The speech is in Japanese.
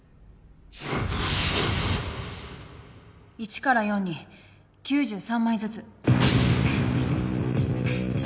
１から４に９３枚ずつ。